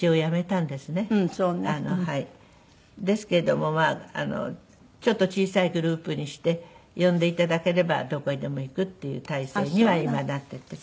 ですけれどもまあちょっと小さいグループにして呼んで頂ければどこへでも行くっていう体制には今なっていて。